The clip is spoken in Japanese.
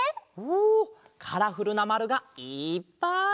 おおカラフルなまるがいっぱい！